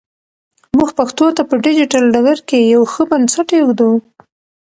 موږ پښتو ته په ډیجیټل ډګر کې یو ښه بنسټ ایږدو.